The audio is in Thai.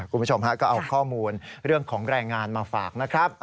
คุณผู้ชมฮะก็เอาข้อมูลเรื่องของแรงงานมาฝากนะครับ